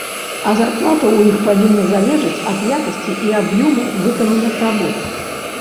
А зарплата ў іх павінна залежыць ад якасці і аб'ёму выкананых работ.